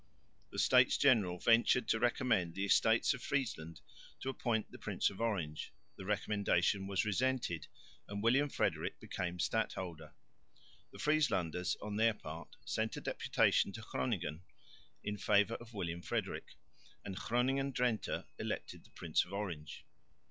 The States General ventured to recommend the Estates of Friesland to appoint the Prince of Orange; the recommendation was resented, and William Frederick became stadholder. The Frieslanders on their part sent a deputation to Groningen in favour of William Frederick, and Groningen Drente elected the Prince of Orange.